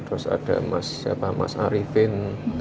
terus ada mas arifin